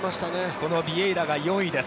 このビエイラが４位です。